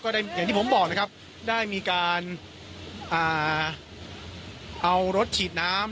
อย่างที่ผมบอกนะครับได้มีการเอารถฉีดน้ำ